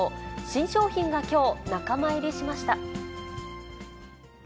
新商品がきょう、仲間入りしました。